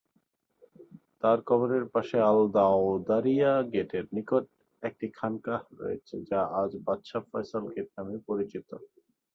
তাঁর কবরের পাশে আল-দাওদারিয়া গেটের নিকট একটি খানকাহ রয়েছে, যা আজ বাদশাহ ফয়সাল গেট নামে পরিচিত।